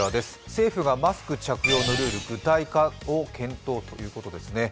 政府がマスク着用のルール具体化を検討ということですね。